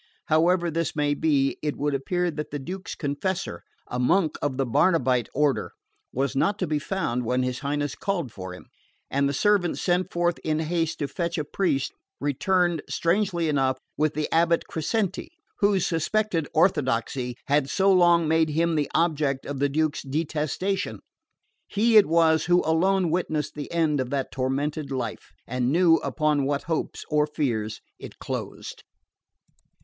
However this may be, it would appear that the Duke's confessor a monk of the Barnabite order was not to be found when his Highness called for him; and the servant sent forth in haste to fetch a priest returned, strangely enough, with the abate Crescenti, whose suspected orthodoxy had so long made him the object of the Duke's detestation. He it was who alone witnessed the end of that tormented life, and knew upon what hopes or fears it closed.